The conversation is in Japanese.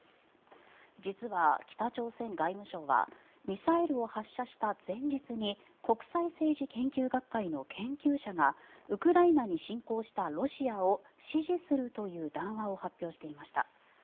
実は、北朝鮮外務省はミサイルを発射した前日に国際政治研究学会の研究者がウクライナに侵攻したロシアを支持するという談話を発表していました。